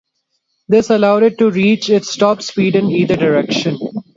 This allowed it to reach its top speed in either direction.